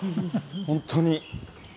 本当に。